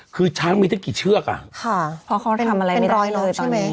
คือช้างมีแต่กี่เชือกอ่ะค่ะเพราะเขาได้ทำอะไรไม่ได้เลยตอนนี้เป็นร้อยร้อยใช่ไหม